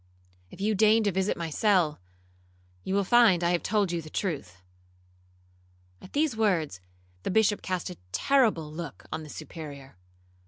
If you deign to visit my cell, you will find I have told you the truth.' At these words, the Bishop cast a terrible look on the Superior.